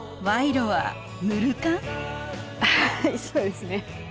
はいそうですね。